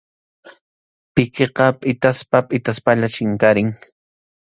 Pikiqa pʼitaspa pʼitaspalla chinkarin.